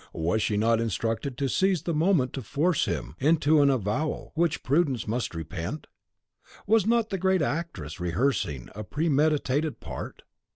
Was she not instructed to seize the moment to force him into an avowal which prudence must repent? Was not the great actress rehearsing a premeditated part?